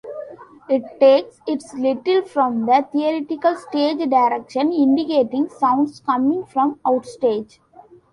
It takes its title from the theatrical stage direction indicating sounds coming from offstage.